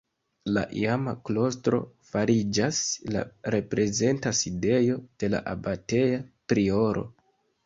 La iama klostro fariĝas la reprezenta sidejo de la abateja prioro.